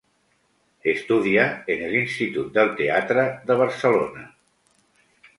Estudia en el Institut del Teatre de Barcelona.